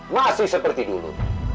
masih seperti dulu